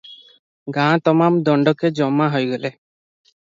ଗାଁ ତମାମ୍ ଦଣ୍ଡକେ ଜମା ହୋଇଗଲେ ।